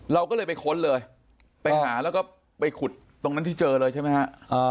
เราก็เลยไปค้นเลยไปหาแล้วก็ไปขุดตรงนั้นที่เจอเลยใช่ไหมฮะ